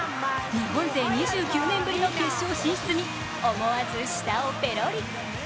日本勢２９年ぶりの決勝進出に思わず舌をぺろり。